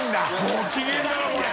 ご機嫌だなこれ。